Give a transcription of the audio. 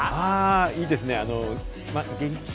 いいですね、現金。